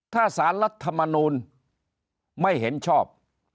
ถ้าสารรัฐมนูลไม่เห็นชอบ